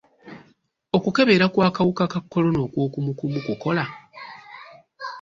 Okukebera kw'akawuka ka kolona okw'okumukumu kukola?